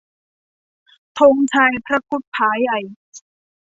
ธงชัยพระครุฑพ่าห์ใหญ่